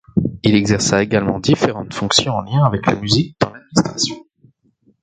Il exerça également différentes fonctions en lien avec la musique dans l'administration.